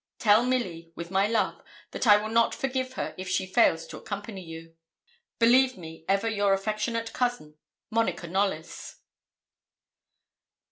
Tell Milly with my love that I will not forgive her if she fails to accompany you. 'Believe me ever your affectionate cousin, 'MONICA KNOLLYS.'